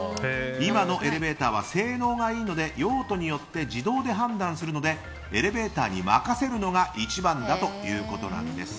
今のエレベーターは性能がいいので用途によって自動で判断するのでエレベーターに任せるのが一番だということなんです。